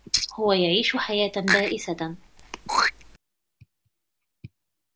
هو يعيش حياة بائسة.